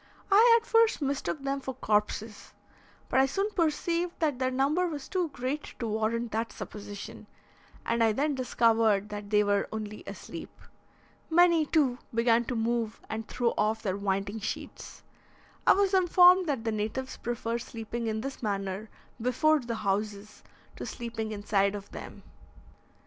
I at first mistook them for corpses, but I soon perceived that their number was too great to warrant that supposition, and I then discovered that they were only asleep. Many, too, began to move and throw off their winding sheets. I was informed that the natives prefer sleeping in this manner before the houses to sleeping inside of them.